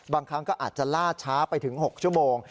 บางครั้งก็อาจจะล่าช้าไปถึง๖ชั่วโมง